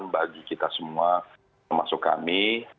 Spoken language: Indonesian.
bagi kita semua termasuk kami